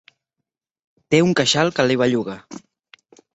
Té un queixal que li belluga.